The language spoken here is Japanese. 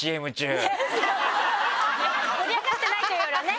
盛り上がってないというよりはね。